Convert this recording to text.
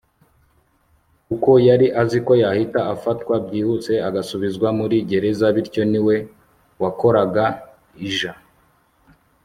kuko yari azi ko yahita afatwa byihuse agasubizwa muri gereza bityo niwe wakoraga ij